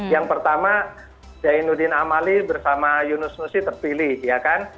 yang pertama zainuddin amali bersama yunus nusi terpilih ya kan